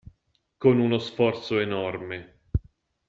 Con uno sforzo enorme.